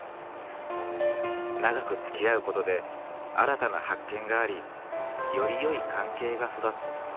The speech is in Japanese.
長くつきあう事で新たな発見がありよりよい関係が育つ。